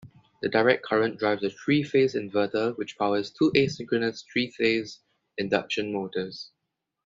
The direct current drives a three-phase inverter, which powers two asynchronous three-phase induction motors.